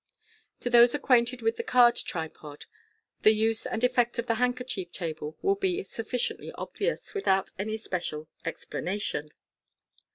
To those acquainted with the card tripod, the use and effect of the handkerchief table will be sufficiently obvious, without any special explanation.